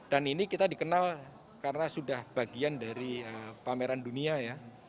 dan ini kita dikenal karena sudah bagian dari pameran dunia ya